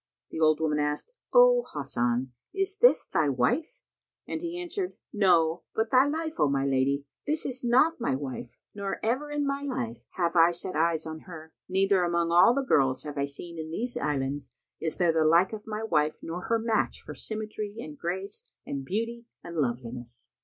The old woman asked, "O Hasan, is this thy wife?"; and he answered, "No, by thy life, O my lady; this is not my wife, nor ever in my life have I set eyes on her; neither among all the girls I have seen in these islands is there the like of my wife nor her match for symmetry and grace and beauty and loveliness!"